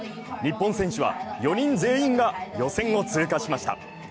日本選手は４人全員が予選を通過しました。